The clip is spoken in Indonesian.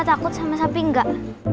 takut sama sapi enggak